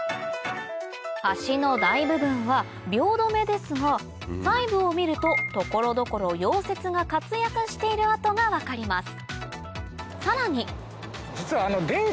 橋の大部分は鋲止めですが細部を見ると所々溶接が活躍している跡が分かります